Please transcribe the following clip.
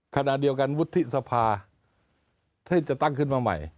ขณะเดียวกันวุฒิสภาที่จะตั้งขึ้นมาใหม่